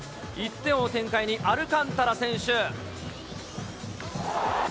１点を追う展開に、アルカンタラ選手。